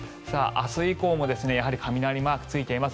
明日以降もやはり雷マークがついています。